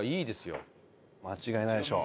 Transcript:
間違いないでしょう！